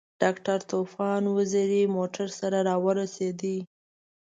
ډاکټر طوفان وزیری موټر سره راورسېد.